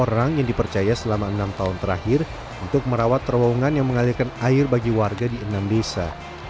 enam puluh orang yang dipercaya selama enam tahun terakhir untuk merawat terowongan yang mengalirkan air bagi warga di enam desa